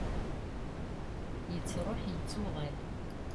yettruḥ yettuɣal